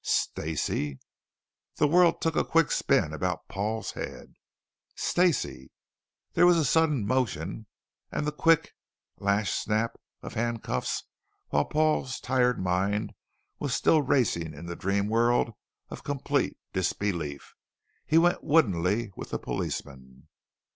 Stacey! The world took a quick spin about Paul's head. Stacey! There was sudden motion and the quick, lashed Snap! of handcuffs while Paul's tired mind was still racing in the dream world of complete disbelief. He went woodenly with the policeman.